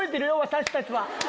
私たちは。